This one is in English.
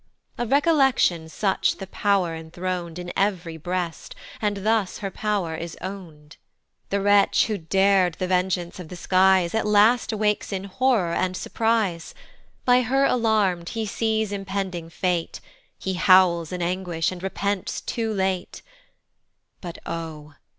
Of Recollection such the pow'r enthron'd In ev'ry breast, and thus her pow'r is own'd. The wretch, who dar'd the vengeance of the skies, At last awakes in horror and surprise, By her alarm'd, he sees impending fate, He howls in anguish, and repents too late. But O!